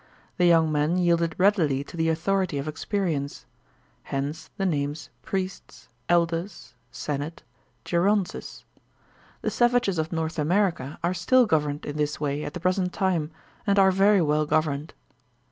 The young men yielded readily to the authority of experience. Hence the names priests, ELDERS, senate, gerontes. The savages of North America are still governed in this way at the present time, and are very well governed.